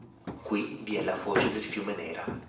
Qui vi è la foce del fiume Nera.